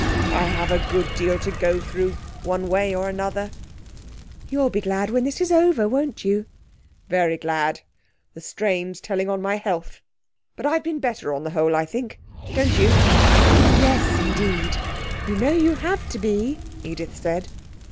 Oh, I have a good deal to go through, one way and another!' 'You'll be glad when it's over, won't you?' 'Very glad. The strain's telling on my health. But I've been better on the whole, I think, don't you?' 'Yes, indeed. You know you have to be,' Edith said.